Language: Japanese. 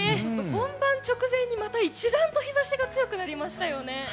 本番直前にまた一段と日差しが強くなりましたよね。